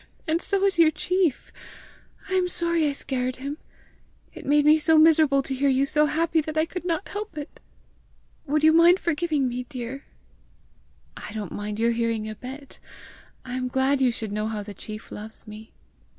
and so is your chief! I am sorry I scared him! It made me so miserable to hear you so happy that I could not help it! Would you mind forgiving me, dear?" "I don't mind your hearing a bit. I am glad you should know how the chief loves me!"